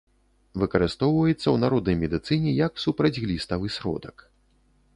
Выкарыстоўваецца ў народнай медыцыне як супрацьгліставы сродак.